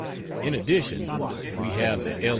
In addition we have the L.